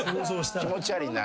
気持ち悪いな。